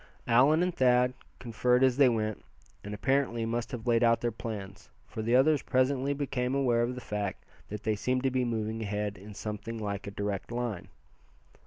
Allan and Thad conferred as they went, and apparently must have laid out their plans, for the others presently became aware of the fact that they seemed to be moving ahead in something like a direct line.